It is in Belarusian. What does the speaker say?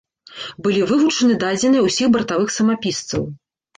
Былі вывучаны дадзеныя ўсіх бартавых самапісцаў.